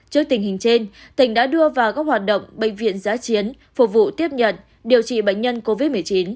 trước tình hình trên tỉnh đã đưa vào các hoạt động bệnh viện giá chiến phục vụ tiếp nhận điều trị bệnh nhân covid một mươi chín